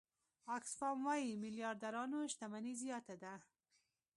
آکسفام وايي میلیاردرانو شتمني زیاته ده.